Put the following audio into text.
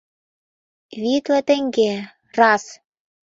— Витле теҥге, раз!..